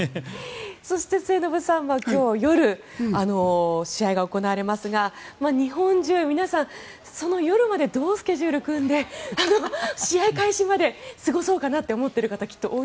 そして、末延さん今日夜、試合が行われますが日本中、皆さん夜までどうスケジュールを組んで試合開始まで過ごそうかなって思っている方